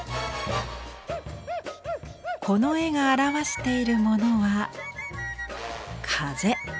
この絵が表しているものは風。